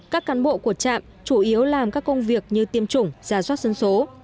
các cán bộ của trạm chủ yếu làm các công việc như tiêm chủng giả soát dân số